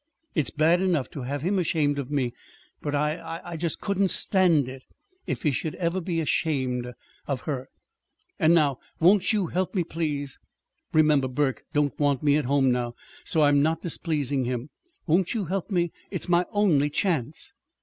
It's bad enough to have him ashamed of me; but I I just couldn't stand it if he should ever be be ashamed of her. And now won't you help me, please? Remember, Burke don't want me at home, now, so I'm not displeasing him. Won't you help me? It's my only chance!"